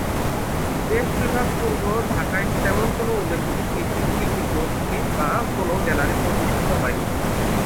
দেশবিভাগপূর্ব ঢাকায় তেমন কোনো উল্লেখযোগ্য শিল্পী, শিল্পিগোষ্ঠী বা কোনো গ্যালারি প্রতিষ্ঠিত হয় নি।